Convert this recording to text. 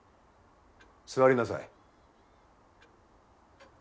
座りなさい。